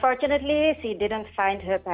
kejujuran saya dia tidak menemukan ibu bapa